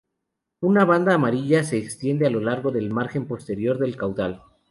Una banda amarilla se extiende a lo largo del margen posterior del caudal.